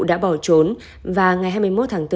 đã bỏ trốn và ngày hai mươi một tháng bốn